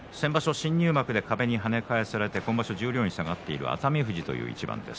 新入幕で壁に跳ね返されて今場所十両に下がっている熱海富士という一番です。